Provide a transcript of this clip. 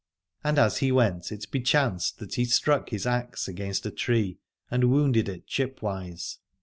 And as he went it bechanced that he struck his axe against a tree, and wounded it chipwise.